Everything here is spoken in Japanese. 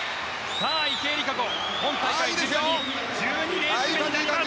池江璃花子、今大会１２レース目となります。